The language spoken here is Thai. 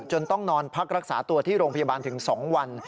ต้องนอนพักรักษาตัวที่โรงพยาบาลถึง๒วัน